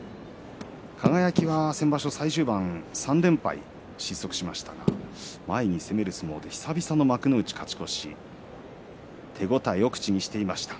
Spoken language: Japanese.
輝は先場所の最終盤３連敗失速しましたが前に攻める相撲で久々の幕内勝ち越し、手応えを口にしていました。